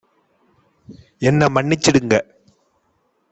என்னை மன்னிச்சிடுங்க!